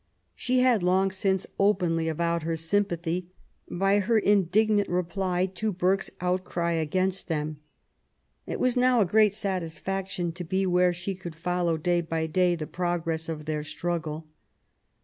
She had long since openly avowed her sympathy by her indignant reply to Burke's outcry against them. It was now a great satisfaction to be where she could follow day by day the progress of their struggle.